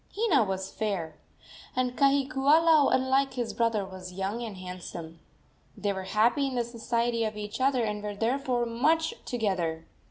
Hina was fair, and Kahikiula, unlike his brother, was young and handsome. They were happy in the society of each other, and were therefore much together.